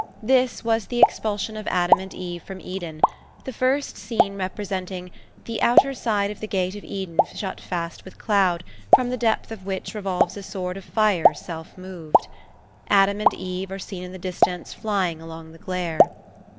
This was the expulsion of Adam and Eve from Eden, the first scene representing "the outer side of the gate of Eden shut fast with cloud, from the depth of which revolves a sword of fire self moved. Adam and Eve are seen in the distance flying along the glare."